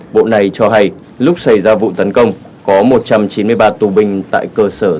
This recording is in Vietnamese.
bộ này cho hay lúc xảy ra vụ tấn công có một trăm chín mươi ba tù binh tại cơ sở giam giữ nói trên